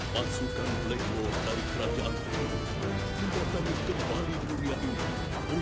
pasukan black box dari kerajaan mendatangi kembali dunia ini